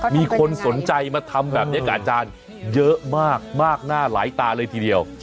มีคนสนใจมาทำแบบนี้กับอาจารย์เยอะมากมากหน้าหลายตาเลยทีเดียว